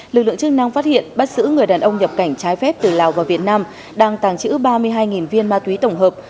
lực lượng chức năng phát hiện bắt giữ người đàn ông nhập cảnh trái phép từ lào vào việt nam đang tàng trữ ba mươi hai viên ma túy tổng hợp